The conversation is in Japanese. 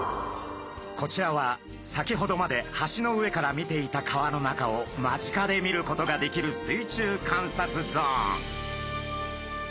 こちらは先ほどまで橋の上から見ていた川の中を間近で見ることができる水中観察ゾーン。